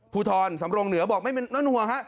ภูทรสำรงเหนือบอกไม่เป็นน้อยหน่วงฮะ